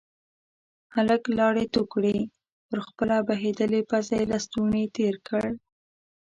هلک لاړې تو کړې، پر خپله بهيدلې پزه يې لستوڼی تير کړ.